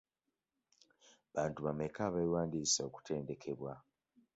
Bantu bameka abewandiisizza okutendekebwa?